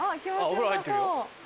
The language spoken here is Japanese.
お風呂入ってるよ。